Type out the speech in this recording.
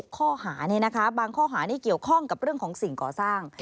ข้อหาบางข้อหานี่เกี่ยวข้องกับเรื่องของสิ่งก่อสร้าง